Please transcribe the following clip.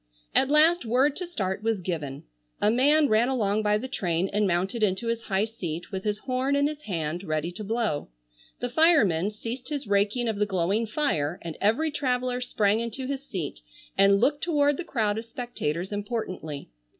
At last word to start was given. A man ran along by the train and mounted into his high seat with his horn in his hand ready to blow. The fireman ceased his raking of the glowing fire and every traveller sprang into his seat and looked toward the crowd of spectators importantly.